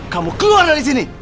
kamu keluar dari sini